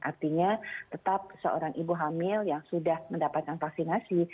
artinya tetap seorang ibu hamil yang sudah mendapatkan vaksinasi